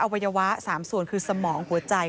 วัยวะ๓ส่วนคือสมองหัวใจ